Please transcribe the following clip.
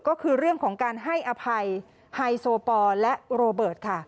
ก็คือเรื่องของการให้อภัยไฮโซปอลและโรเบิร์ตค่ะ